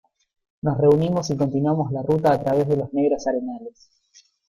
nos reunimos y continuamos la ruta a través de los negros arenales.